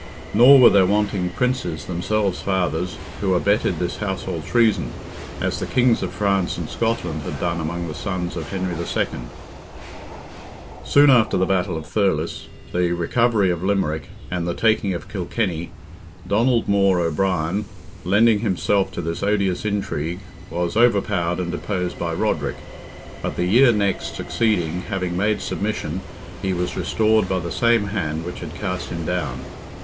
Nor were there wanting Princes, themselves fathers, who abetted this household treason, as the Kings of France and Scotland had done among the sons of Henry II. Soon after the battle of Thurles, the recovery of Limerick, and the taking of Kilkenny, Donald More O'Brien, lending himself to this odious intrigue, was overpowered and deposed by Roderick, but the year next succeeding having made submission he was restored by the same hand which had cast him down.